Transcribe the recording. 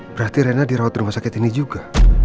berarti rina dirawat rumah sakit ini juga